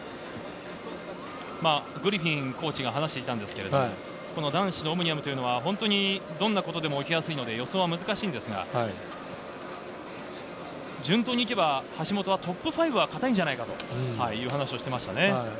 グリフィンコーチが話していましたが、男子のオムニアムは本当にどんなことでも起きやすいので予想は難しいんですが、順当に行けば橋本はトップ５は堅いんじゃないかという話をしていました。